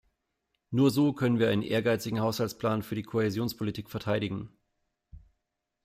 Nur so können wir einen ehrgeizigen Haushaltsplan für die Kohäsionspolitik verteidigen.